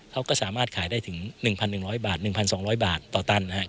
เขาก็สามารถขายได้ถึง๑๑๐๐บาท๑๒๐๐บาทต่อตันนะครับ